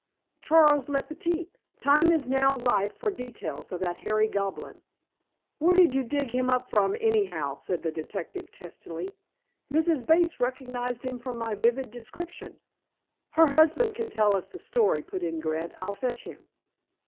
Charles le Petit, time is now ripe for details of that hairy goblin." "Where did you dig him up from, anyhow?" said the detective testily. "Mrs. Bates recognized him from my vivid description." "Her husband can tell us the story," put in Grant. "I'll fetch him."